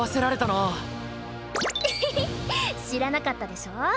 へへへ知らなかったでしょ？